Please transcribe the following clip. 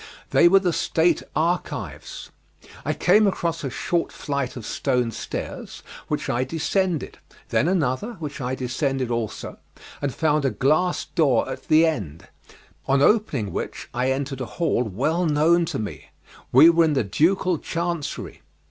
They were the state archives. I came across a short flight of stone stairs, which I descended, then another, which I descended also, and found a glass door at the end, on opening which I entered a hall well known to me: we were in the ducal chancery.